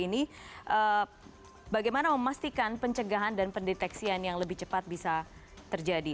ini bagaimana memastikan pencegahan dan pendeteksian yang lebih cepat bisa terjadi